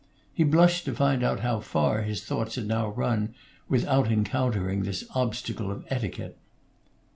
He blushed to find how far his thoughts had now run without encountering this obstacle of etiquette.